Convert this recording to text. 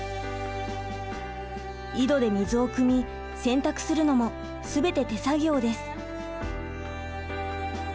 井戸で水をくみ洗濯するのもすべて手作業です。